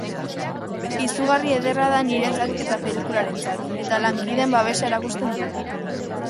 Izugarri ederra da niretzat eta pelikularentzat, eta lankideen babesa erakusten du.